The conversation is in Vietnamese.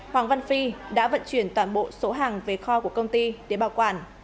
hoàng văn phi đã vận chuyển toàn bộ số hàng về kho của công ty để bảo quản